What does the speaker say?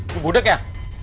lu bodek ya